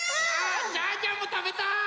ジャンジャンもたべたい！